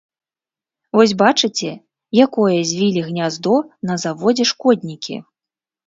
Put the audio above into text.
Вось бачыце, якое звілі гняздо на заводзе шкоднікі.